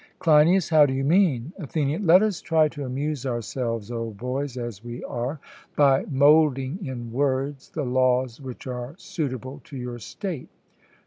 CLEINIAS: How do you mean? ATHENIAN: Let us try to amuse ourselves, old boys as we are, by moulding in words the laws which are suitable to your state.